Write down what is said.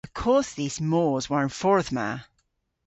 Y kodh dhis mos war'n fordh ma.